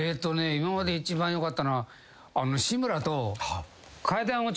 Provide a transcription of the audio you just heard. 今まで一番よかったのは。